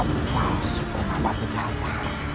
dampau suku ngabat ujata